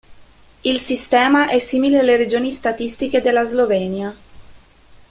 Il sistema è simile alle regioni statistiche della Slovenia.